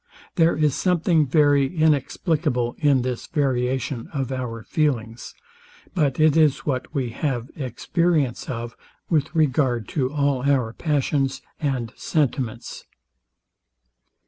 There is something very inexplicable in this variation of our feelings; but it is what we have experience of with regard to all our passions and sentiments.